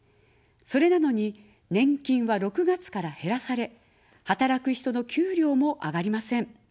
それなのに、年金は６月から減らされ、働く人の給料も上がりません。